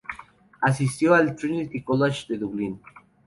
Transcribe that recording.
Asistió al Trinity College de Dublín.